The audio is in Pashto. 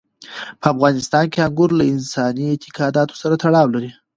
په افغانستان کې انګور له انساني اعتقاداتو سره تړاو لري.